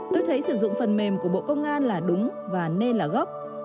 tôi thấy sử dụng phần mềm của bộ công an là đúng và nên là gốc